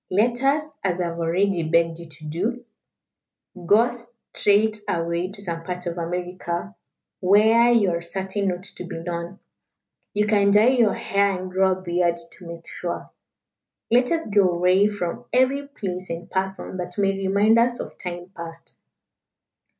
Let us, as I have already begged you to do, go straight away to some part of America, where you are certain not to be known. You can dye your hair and grow a beard to make sure. Let us go away from every place and person that may remind us of time past.